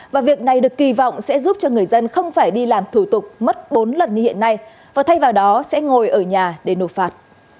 và việc này được kỳ vọng sẽ giúp cho người dân không phải đi làm thủ tục mất bốn lần như hiện nay và thay vào đó sẽ ngồi ở nhà để nộp phạt